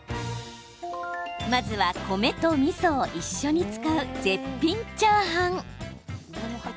まずは、米とみそを一緒に使う絶品チャーハン。